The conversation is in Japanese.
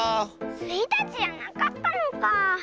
スイたちじゃなかったのか。